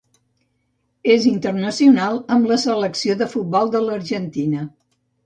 És internacional amb la selecció de futbol de l'Argentina.